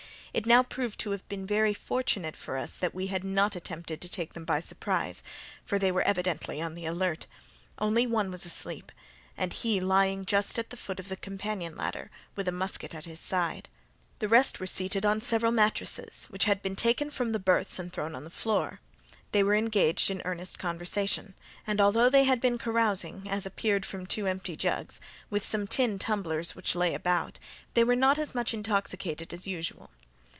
It now proved to have been very fortunate for us that we had not attempted to take them by surprise, for they were evidently on the alert. Only one was asleep, and he lying just at the foot of the companion ladder, with a musket by his side. The rest were seated on several mattresses, which had been taken from the berths and thrown on the floor. They were engaged in earnest conversation; and although they had been carousing, as appeared from two empty jugs, with some tin tumblers which lay about, they were not as much intoxicated as usual.